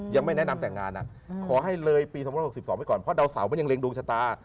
ยังไม่แนะนำแต่งงานขอให้เลยปี๒๖๒ไว้ก่อนเพราะดาวเสามันยังเร็งดวงชะตา